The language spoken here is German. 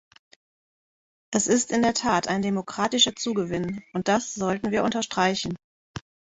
Es ist in der Tat ein demokratischer Zugewinn, und das sollten wir unterstreichen.